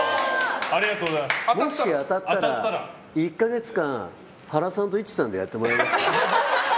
もし当たったら１か月間ハラさんとイチさんでやってもらえますか。